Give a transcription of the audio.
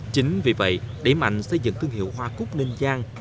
chính vì vậy đẩy mạnh xây dựng thương hiệu hoa cúc đình trang